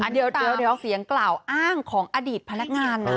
เดี๋ยวเสียงกล่าวอ้างของอดีตพนักงานนะ